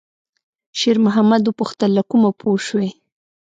شېرمحمد وپوښتل: «له کومه پوه شوې؟»